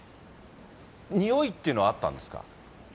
臭いっていうのはあったんですか。